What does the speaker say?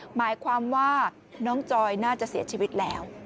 หมายความว่าน้องจอยน่าจะเสียชีวิตแล้ว